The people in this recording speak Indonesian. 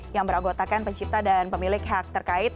yang beragotakan pencipta dan pemilik hak terkait